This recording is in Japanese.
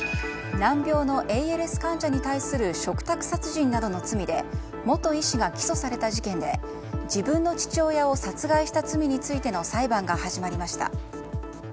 難病のＡＬＳ患者に対する嘱託殺人などの罪で元医師が起訴された事件で自分の父親を殺害した罪についての裁判が始まりました。